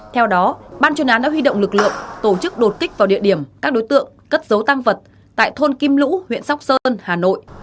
theo đó ban chuyên án đã huy động lực lượng tổ chức đột kích vào địa điểm các đối tượng cất dấu tăng vật tại thôn kim lũ huyện sóc sơn hà nội